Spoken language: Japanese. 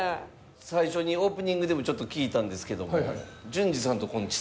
最初にオープニングでもちょっと聞いたんですけども。